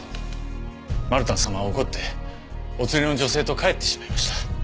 マルタン様は怒ってお連れの女性と帰ってしまいました。